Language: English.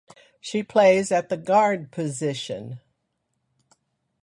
She plays at the Guard position.